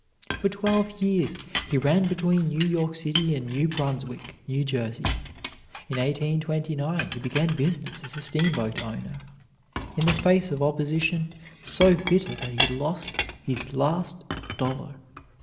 For twelve years he ran between New York City and New Brunswick, N. J. In 1829 he began business as a steamboat owner, in the face of opposition so bitter that he lost his last dollar.